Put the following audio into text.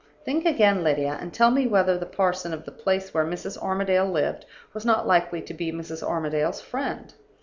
Think again, Lydia, and tell me whether the parson of the place where Mrs. Armadale lived was not likely to be Mrs. Armadale's friend?